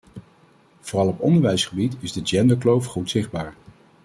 Vooral op onderwijsgebied is de genderkloof goed zichtbaar.